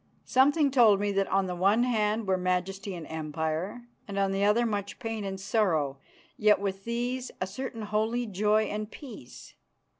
Something told me that on the one hand were majesty and empire; on the other much pain and sorrow yet with these a certain holy joy and peace.